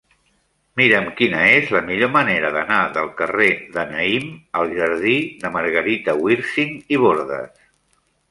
Mira'm quina és la millor manera d'anar del carrer de Naïm al jardí de Margarita Wirsing i Bordas.